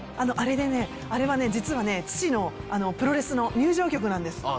あれでねあれはね実はね父のプロレスの入場曲なんです。